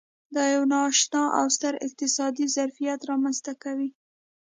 دا یو نا اشنا او ستر اقتصادي ظرفیت رامنځته کوي.